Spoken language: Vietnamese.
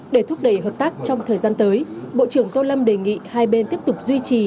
để thúc đẩy hợp tác trong thời gian tới bộ trưởng tô lâm đề nghị hai bên tiếp tục duy trì